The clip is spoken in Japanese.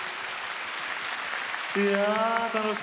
いや楽しかった。